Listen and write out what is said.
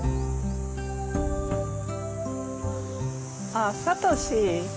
あっサトシ。